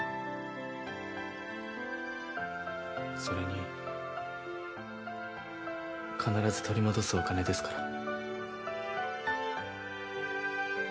それに必ず取り戻すお金ですから。